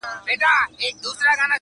• نقادان يې تحليل کوي تل,